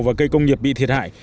và cây công nghiệp bị thiệt hại